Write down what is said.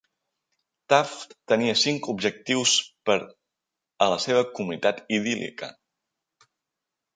Taft tenia cinc objectius per a la seva comunitat idíl·lica.